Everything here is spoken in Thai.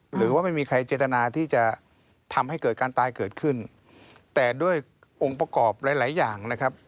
หรือว่าไม่มีใครเจตนาที่จะทำให้เกิดการตายเกิดขึ้นแต่ด้วยองค์ประกอบหลายหลายอย่างนะครับ